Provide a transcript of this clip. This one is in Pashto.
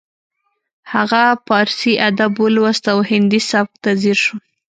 هغه پارسي ادب ولوست او هندي سبک ته ځیر شو